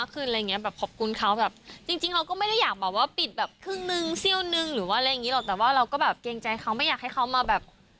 เขาก็แบบเกรงใจเขาไม่อยากให้เขามาแบบ